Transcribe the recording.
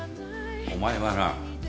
お前はな